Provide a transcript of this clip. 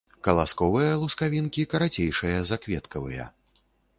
Каласковыя лускавінкі карацейшыя за кветкавыя.